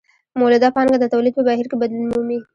مولده پانګه د تولید په بهیر کې بدلون مومي